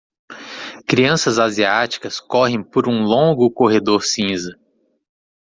Crianças asiáticas correm por um longo corredor cinza.